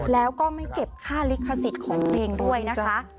แล้วก็ไม่เก็บค่าลิขสิทธิ์ของตัวเองด้วยนะคะ